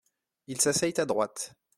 Ils s’asseyent à droite.